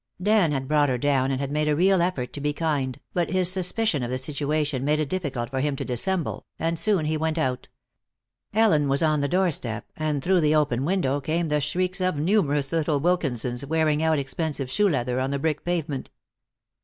Dan had brought her down and had made a real effort to be kind, but his suspicion of the situation made it difficult for him to dissemble, and soon he went out. Ellen was on the doorstep, and through the open window came the shrieks of numerous little Wilkinsons wearing out expensive shoe leather on the brick pavement.